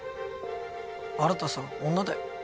新さん女だよ。